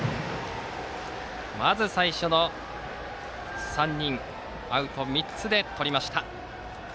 まず最初の３人アウト３つでとりました。